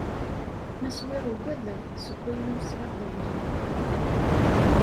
Ma swiɣ ugadeɣ, seg ayen ur sɛiɣ d ayla-w.